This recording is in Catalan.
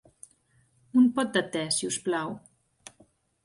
Un pot de te, si us plau.